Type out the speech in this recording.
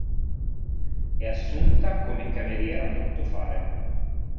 È assunta come cameriera tuttofare.